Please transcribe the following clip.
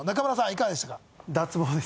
いかがでしたか？